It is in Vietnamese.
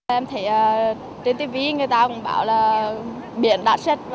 em thấy trên tivi người ta cũng bảo là biển đã chết